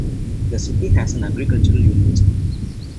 The city has an agricultural university.